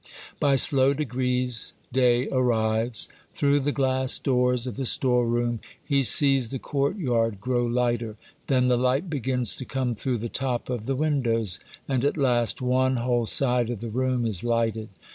By slow degrees day arrives. Through the glass doors of the store room he sees the courtyard grow lighter ; then the light begins to come through the top of the win dows, and at last one whole side of the room is lighted.